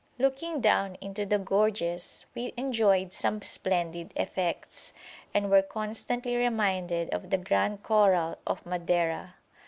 Looking down into the gorges, we enjoyed some splendid effects, and were constantly reminded of the Grand Corral of Madeira.